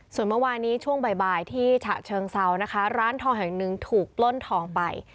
ส่วนเมื่อวานี้ช่วงบ่ายที่ฉะเชิงเซานะคะร้านทองแห่งหนึ่งถูกปล้นทองไป